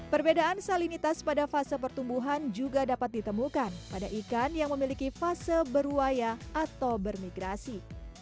perbedaan salinitas pada fase pertumbuhan juga dapat ditemukan pada ikan yang memiliki fase berwaya atau bermigrasi